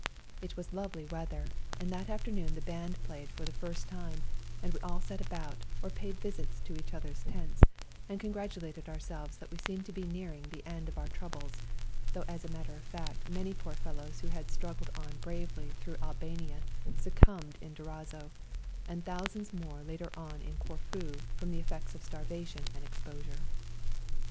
It was lovely weather, and that afternoon the band played for the first time, and we all sat about, or paid visits to each other's tents, and congratulated ourselves that we seemed to be nearing the end of our troubles, though as a matter of fact many poor fellows who had struggled on bravely through Albania succumbed in Durazzo, and thousands more later on in Corfu from the effects of starvation and exposure.